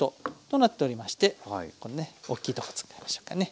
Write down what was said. となっておりましてこれね大きいとこ使いましょうかね。